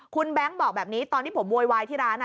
คุณแบงค์บอกแบบนี้ตอนที่ผมโวยวายที่ร้าน